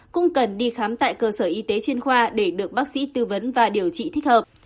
cũng cần đi khám tại cơ sở y tế chuyên khoa để được bác sĩ tư vấn và điều trị thích hợp